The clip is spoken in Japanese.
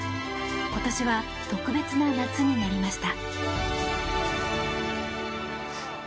今年は特別な夏になりました。